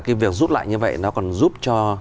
cái việc rút lại như vậy nó còn giúp cho